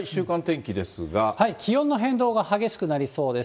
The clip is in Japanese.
気温の変動が激しくなりそうです。